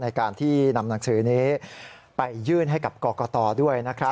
ในการที่นำหนังสือนี้ไปยื่นให้กับกรกตด้วยนะครับ